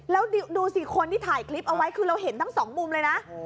แล้วดูสิคนที่ถ่ายคลิปเอาไว้คือเราเห็นทั้งสองมุมเลยนะ